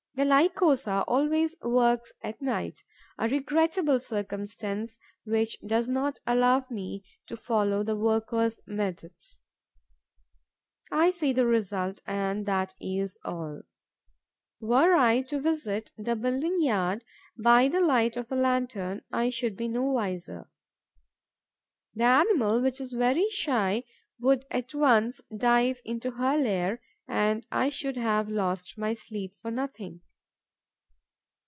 The Lycosa always works at night, a regrettable circumstance, which does not allow me to follow the worker's methods. I see the result; and that is all. Were I to visit the building yard by the light of a lantern, I should be no wiser. The animal, which is very shy, would at once dive into her lair; and I should have lost my sleep for nothing.